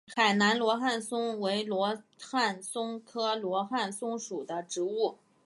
海南罗汉松为罗汉松科罗汉松属的植物。